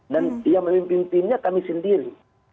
dan yang memimpin timnya kami sendiri